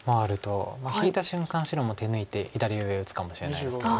引いた瞬間白も手抜いて左上打つかもしれないですけど。